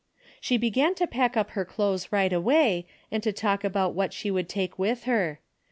She began to pack up her clothes right away and to talk about what she would take with her.